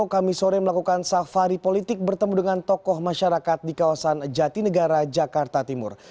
kami sore melakukan safari politik bertemu dengan tokoh masyarakat di kawasan jatinegara jakarta timur